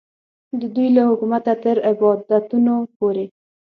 د دوی له حکومته تر عبادتونو پورې.